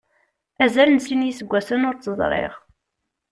Azal n sin yiseggasen ur tt-ẓriɣ.